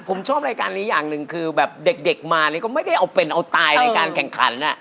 ผมชอบรายการนี้อย่างหนึ่งคือแบบเด็กมานี่ก็ไม่ได้เอาเป็นเอาตายในการแข่งขัน